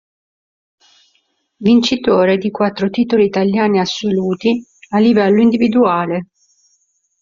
Vincitore di quattro titoli italiani assoluti a livello individuale.